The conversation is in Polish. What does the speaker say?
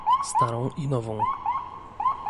starą i nową